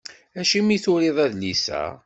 Acimi i turiḍ adlis-a?